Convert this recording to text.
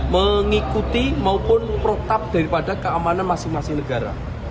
mengikuti maupun protap daripada keamanan masing masing negara